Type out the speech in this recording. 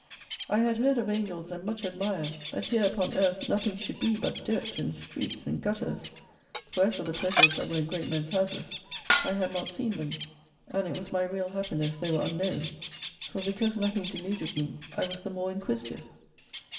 I had heard of Angels, and much admired that here i68 upon earth nothing should be but dirt and streets and gutters ; for as for the pleasures that were in great men's houses I had not seen them : and it was my real happi ness they were unknown. For because nothing deluded me, I was the more inquisitive.